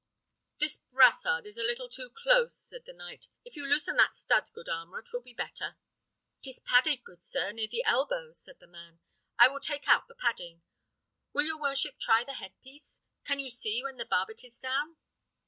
"This brassard is a little too close," said the knight. "If you loosen that stud, good armourer, 'twill be better." "'Tis padded, good sir, near the elbow," said the man; "I will take out the padding. Will your worship try the headpiece? Can you see when the barbet is down?"